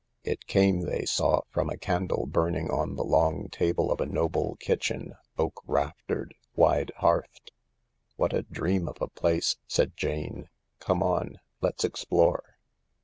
It came, they saw, from a candle burning on the long table of a noble kitchen, oak raftered, wide hearthed. " What a dream of a place !" said Jane. " Come on, let's explore."